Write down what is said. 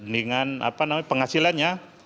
dengan apa namanya penghasilannya